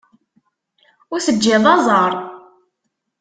Ur teǧǧiḍ aẓar.